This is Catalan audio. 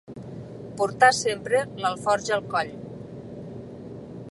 Portar sempre l'alforja al coll.